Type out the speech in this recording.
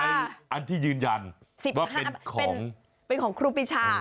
อันที่ยืนยันว่าเป็นของครูปีชาเป็นของครูปีชา